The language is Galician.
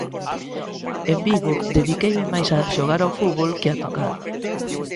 En Vigo dediqueime máis a xogar ao fútbol que a tocar.